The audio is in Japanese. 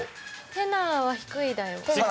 テナーは低いだよ。